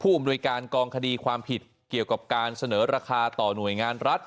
อำนวยการกองคดีความผิดเกี่ยวกับการเสนอราคาต่อหน่วยงานรัฐ